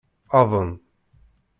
Aḍen.